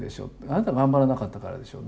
あなた頑張らなかったからでしょう。